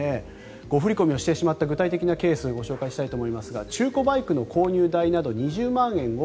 誤振り込みをしてしまった具体的なケースをご紹介したいと思いますが中古バイクの購入代など２０万円を